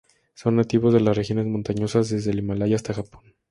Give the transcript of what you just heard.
Son nativos de las regiones montañosas desde el Himalaya hasta Japón.